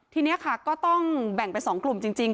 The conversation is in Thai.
ทีนี้ค่ะก็ต้องแบ่งเป็น๒กลุ่มจริง